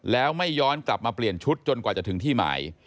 แล้วไม่ย้อนกลับมาเปลี่ยนชุดจนกว่าจะถึงที่หมาย